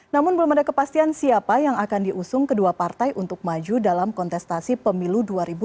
namun belum ada kepastian siapa yang akan diusung kedua partai untuk maju dalam kontestasi pemilu dua ribu dua puluh